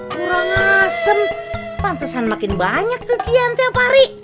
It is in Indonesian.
kurang asem pantesan makin banyak kekihan tiap hari